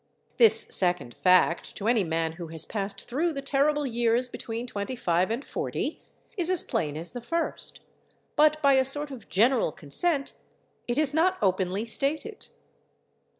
This second fact, to any man who has passed through the terrible years between twenty five and forty, is as plain as the first, but by a sort of general consent it is not openly stated.